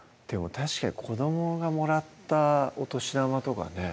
確かに子どもがもらったお年玉とかね